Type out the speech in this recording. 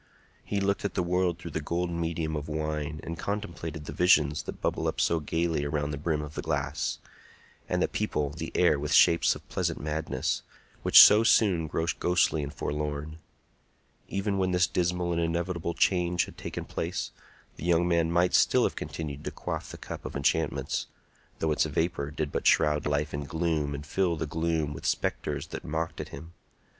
He looked at the world through the golden medium of wine, and contemplated the visions that bubble up so gayly around the brim of the glass, and that people the air with shapes of pleasant madness, which so soon grow ghostly and forlorn. Even when this dismal and inevitable change had taken place, the young man might still have continued to quaff the cup of enchantments, though its vapor did but shroud life in gloom and fill the gloom with spectres that mocked at him.